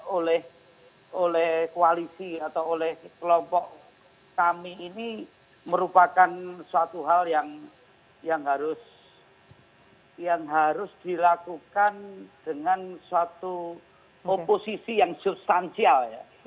oleh koalisi atau oleh kelompok kami ini merupakan suatu hal yang harus yang harus dilakukan dengan suatu oposisi yang substansial